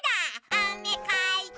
「あめかいて」